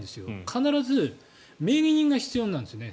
必ず名義人が必要なんですね。